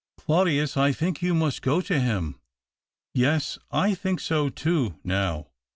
" Claudius, I think you must go to him." "Yes, I think so too, now.